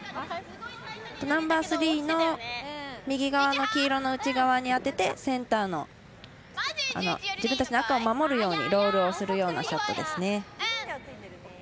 ナンバースリーの右側の黄色の内側に当ててセンターの自分たちの赤を守るようにロールをするようなショットですね。